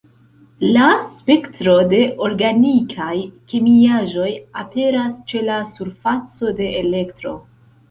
La spektro de organikaj kemiaĵoj aperas ĉe la surfaco de Elektro.